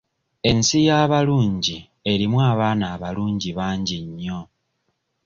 Ensi y'abalungi erimu abaana abalungi bangi nnyo.